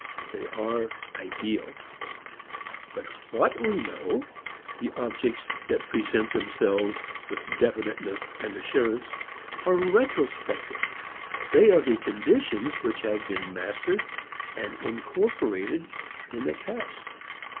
They are "ideal." But what we know, the objects that present themselves with definiteness and assurance, are retrospective; they are the conditions which have been mastered, incorporated in the past.